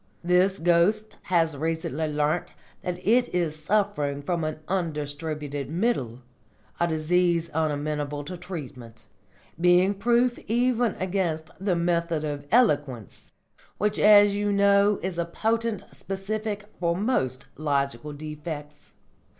This ghost has recently learnt that it is suffering from an Undistributed Middle, a disease unamenable to treatment, being proof even against the Method of Eloquence, which as you know is a potent specific for most logical defects.